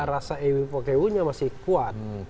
rasa ewe pakewunya masih kuat